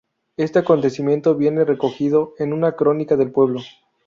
Este acontecimiento viene recogido en una crónica del pueblo.